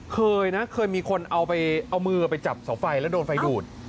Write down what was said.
เคยนะเคยมีคนเอาไปเอามือไปจับเสาไฟแล้วโดนไฟดูด